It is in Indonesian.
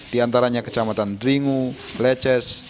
di antaranya kecamatan dringu leces